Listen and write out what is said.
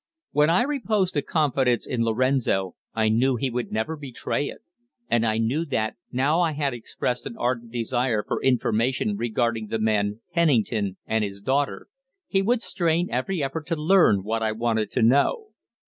When I reposed a confidence in Lorenzo I knew he would never betray it. And I knew that, now I had expressed an ardent desire for information regarding the man Pennington and his daughter, he would strain every effort to learn what I wanted to know.